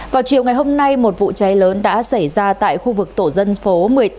vào chiều ngày hôm nay một vụ cháy lớn đã xảy ra tại khu vực tổ dân phố một mươi tám